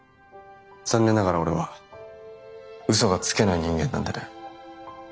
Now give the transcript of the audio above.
残念ながら俺は嘘がつけない人間なんでね。